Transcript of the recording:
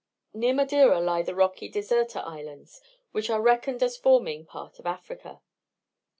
Near Madeira lie the rocky Deserta Islands, which are reckoned as forming part of Africa.